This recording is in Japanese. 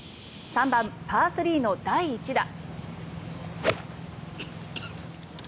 ３番、パー３の第１打。